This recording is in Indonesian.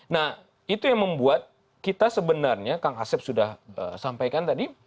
nah itu yang membuat kita sebenarnya kang asep sudah sampaikan tadi